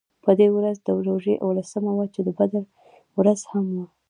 په دې ورځ د روژې اوولسمه وه چې د بدر ورځ هم وه.